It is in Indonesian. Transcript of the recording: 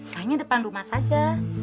kayaknya depan rumah saja